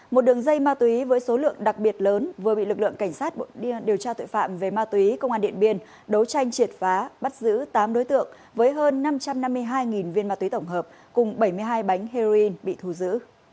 một đường dây ma túy với số lượng đặc biệt lớn vừa bị lực lượng cảnh sát điều tra tội phạm về ma túy công an điện biên đấu tranh triệt phá bắt giữ tám đối tượng với hơn năm trăm năm mươi hai viên ma túy tổng hợp cùng bảy mươi hai bánh heroin bị thu giữ